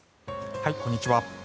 こんにちは。